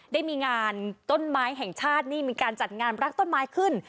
ได้มีงานต้นไม้แห่งชาตินี่มีการจัดงานรักต้นไม้ขึ้น